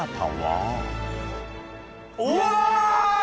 うわ！